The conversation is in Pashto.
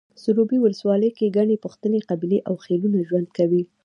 سروبي ولسوالۍ کې ګڼې پښتنې قبیلې او خيلونه ژوند کوي